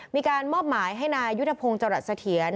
มีการมอบหมายให้นายยุทธพงศ์จรัสเสถียร